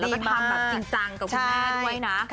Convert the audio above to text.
แล้วก็ทำแบบจริงจังกับคุณแม่ด้วยนะ